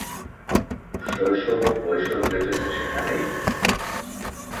শৈশব ও কৈশোর কেটেছে সেখানেই।